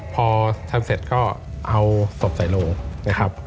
พอทำเสร็จก็เอาสพใส่ลง